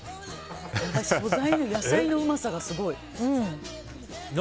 野菜のうまさがすごい。